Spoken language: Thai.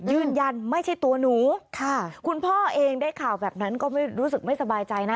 ยืนยันไม่ใช่ตัวหนูค่ะคุณพ่อเองได้ข่าวแบบนั้นก็ไม่รู้สึกไม่สบายใจนะ